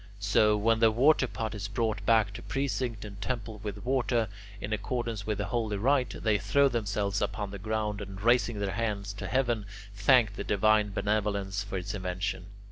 So, when the waterpot is brought back to precinct and temple with water, in accordance with the holy rite, they throw themselves upon the ground and, raising their hands to heaven, thank the divine benevolence for its invention.